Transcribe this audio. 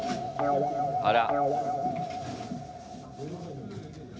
あら。